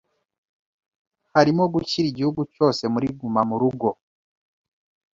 harimo gushyira igihugu cyose muri Guma mu Rugo